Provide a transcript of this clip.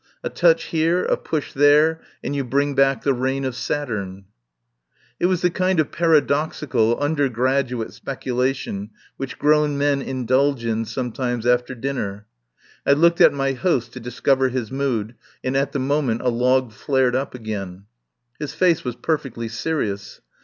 A touch here, a push there, and you bring back the reign of Saturn." It was the kind of paradoxical, undergrad uate speculation which grown men indulge in sometimes after dinner. I looked at my host to discover his mood, and at the moment a log flared up again. His face was perfectly serious.